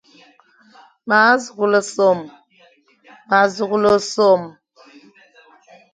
M a sughle sôm.